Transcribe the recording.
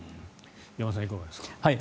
矢野さん、いかがですか？